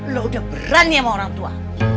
lo udah berani sama orang tua